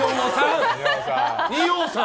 二葉さん！